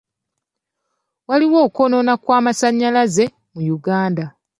Waliwo okwonoona kw'amasanyalaze mu Uganda.